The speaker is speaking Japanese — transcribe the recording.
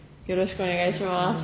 よろしくお願いします。